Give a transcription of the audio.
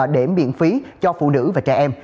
để miễn phí cho phụ nữ và trẻ em